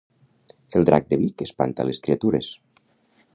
El drac de Vic espanta les criatures